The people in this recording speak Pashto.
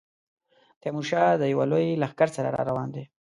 تیمورشاه د یوه لوی لښکر سره را روان دی.